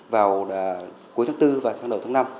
vào cuối tháng bốn và sang đầu tháng năm